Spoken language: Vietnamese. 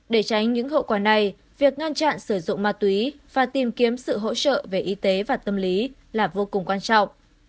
để tránh những hậu quả này việc ngăn chặn sử dụng ma túy và tìm kiếm sự hỗ trợ về y tế và tâm lý là vô cùng quan trọng